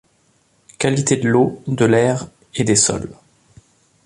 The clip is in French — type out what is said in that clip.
Qualité de l'eau, de l'air et des sols.